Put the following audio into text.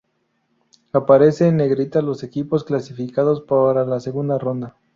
Aparecen en negrita los equipos clasificados para la segunda ronda.